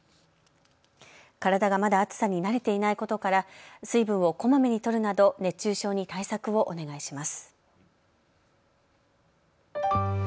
体がまだ暑さに慣れていないことから水分をこまめにとるなど熱中症に対策をお願いします。